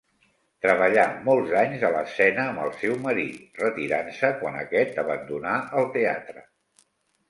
Treballà molts anys a l'escena amb el seu marit, retirant-se quan aquest abandonà el teatre.